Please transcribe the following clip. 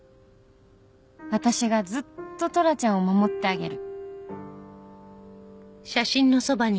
「私がずっとトラちゃんを守ってあげる！」